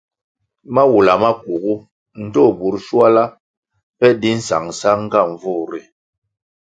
Mawula makugu, ndtoh burʼ shuala pe di sangsang nga nvur ri,